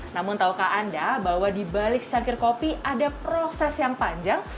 namun tahukah anda bahwa di balik cangkir kopi ada proses yang panjang